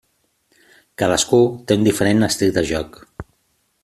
Cadascú té un diferent estil de joc.